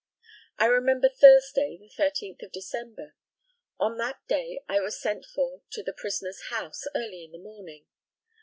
I remember Thursday, the 13th of December. On that day I was sent for to the prisoner's house, early in the morning.